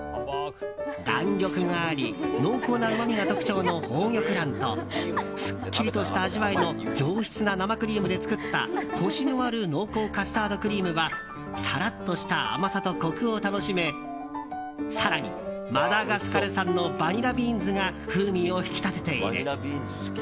弾力があり濃厚なうまみが特徴の宝玉卵とすっきりとした味わいの上質な生クリームで作ったコシのある濃厚カスタードクリームはさらっとした甘さとコクを楽しめ更にマダガスカル産のバニラビーンズが風味を引き立てている。